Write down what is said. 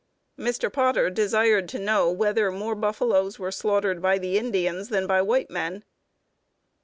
Mr. Potter desired to know whether more buffaloes were slaughtered by the Indians than by white men.